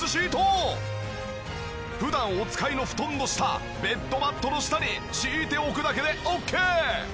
普段お使いの布団の下ベッドマットの下に敷いておくだけでオッケー！